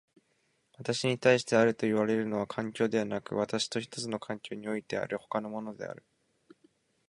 私に対してあるといわれるのは環境でなく、私と一つの環境においてある他のものである。